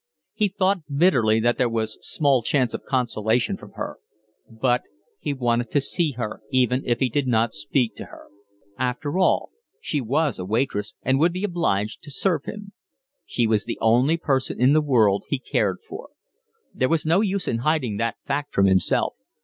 He thought bitterly that there was small chance of consolation from her; but he wanted to see her even if he did not speak to her; after all, she was a waitress and would be obliged to serve him. She was the only person in the world he cared for. There was no use in hiding that fact from himself.